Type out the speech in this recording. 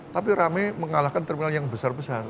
tapi rame mengalahkan terminal yang besar besar